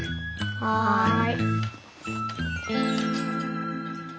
はい。